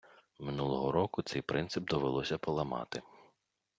Минулого року цей принцип довелося поламати.